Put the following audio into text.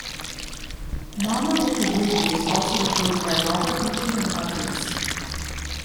"Mama Look a Boo Boo" was also recorded by Robert Mitchum and others.